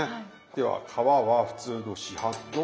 では皮は普通の市販の皮。